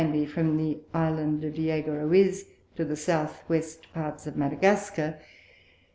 _ from the Isle of Diego Roiz to the South West Parts of Madagascar.